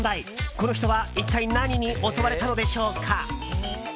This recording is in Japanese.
この人は一体何に襲われたのでしょうか？